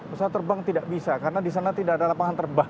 pesawat terbang tidak bisa karena di sana tidak ada lapangan terbang